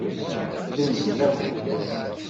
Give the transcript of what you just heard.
Gennzen akk.